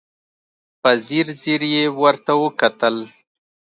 په ځير ځير يې ورته وکتل.